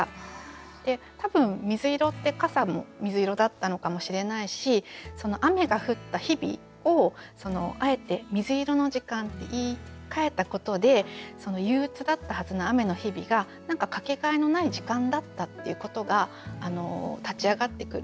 で多分「みずいろ」って傘も水色だったのかもしれないし雨が降った日々をあえて「みずいろの時間」って言いかえたことで憂鬱だったはずの雨の日々が何かかけがえのない時間だったっていうことが立ち上がってくる。